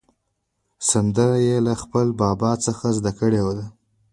سندره یې له خپل بابا څخه زده کړې ده.